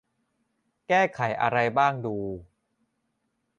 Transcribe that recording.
แก้ไขอะไรบ้างดู